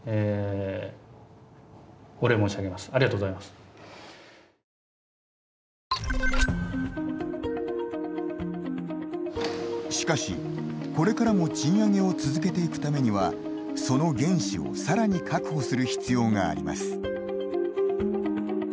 しかし、これからも賃上げを続けていくためにはその原資をさらに確保する必要があります。